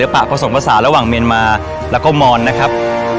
ปะผสมภาษาระหว่างเมียนมาแล้วก็มอนนะครับ